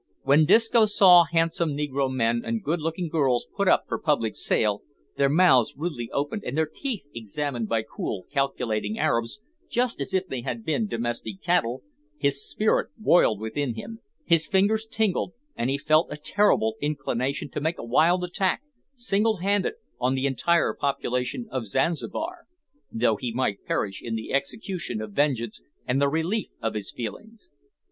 When Disco saw handsome negro men and good looking girls put up for public sale, their mouths rudely opened, and their teeth examined by cool, calculating Arabs, just as if they had been domestic cattle his spirit boiled within him, his fingers tingled, and he felt a terrible inclination to make a wild attack, single handed, on the entire population of Zanzibar, though he might perish in the execution of vengeance and the relief of his feelings!